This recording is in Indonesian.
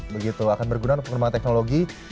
begitu akan berguna untuk pengembangan teknologi